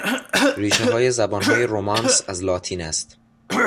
ریشهی زبانهای رمانس از لاتین است.